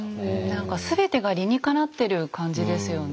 何か全てが理にかなってる感じですよね。